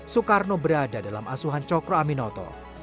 soekarno berada dalam asuhan cokro aminoto